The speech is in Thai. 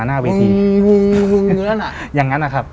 ตามด้านหน้าเวที